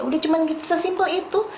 udah cuma sesimpel itu